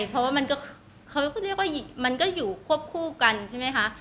เพราะว่ามันก็อยู่ควบคู่กันใช่ไหมค่ะ